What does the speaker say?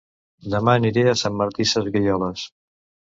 Dema aniré a Sant Martí Sesgueioles